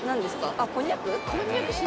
あっこんにゃく？